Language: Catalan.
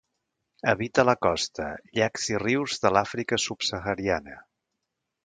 Habita la costa, llacs i rius de l'Àfrica subsahariana.